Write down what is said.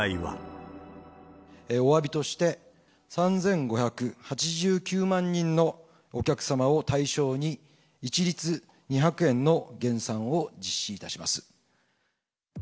おわびとして、３５８９万人のお客様を対象に、一律２００円の減算を実施いたします。